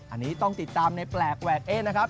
อันนี้ต้องติดตามในแปลกแวกเอ๊นะครับ